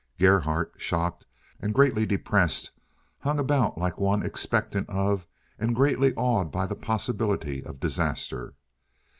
Gerhardt, shocked and greatly depressed, hung about like one expectant of and greatly awed by the possibility of disaster.